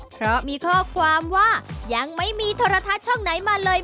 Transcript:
เพราะมีข้อความว่ายังไม่มีโทรทัศน์ช่องไหนมาเลย